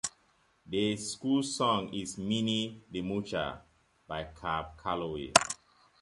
The school song is "Minnie the Moocher" by Cab Calloway.